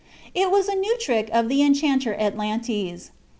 It was a new trick of the enchanter Atlantes.